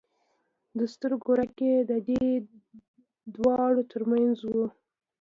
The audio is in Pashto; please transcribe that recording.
د سترګو رنگ يې د دې دواړو تر منځ و.